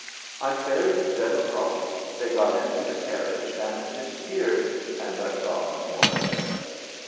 I ferried them across, they got into the carriage and disappeared, and I saw no more of them.